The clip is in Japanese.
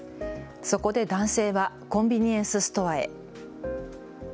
そこで男性はコンビニエンスストアへ。